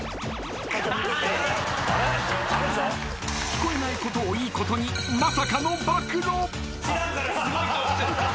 ［聞こえないことをいいことにまさかの暴露］